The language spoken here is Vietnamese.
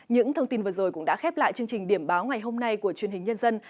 những thông tin vừa rồi cũng đã khép lại chương trình điểm báo ngày hôm nay của truyền hình nhân dân